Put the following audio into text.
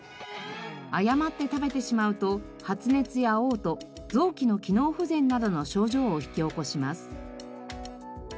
誤って食べてしまうと発熱やおう吐臓器の機能不全などの症状を引き起こします。